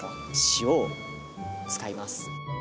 塩を使います。